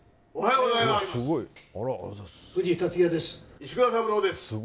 石倉三郎です。